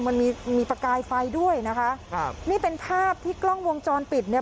มันมีมีประกายไฟด้วยนะคะครับนี่เป็นภาพที่กล้องวงจรปิดเนี่ย